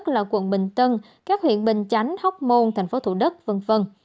tất là quận bình tân các huyện bình chánh hóc môn tp thủ đất v v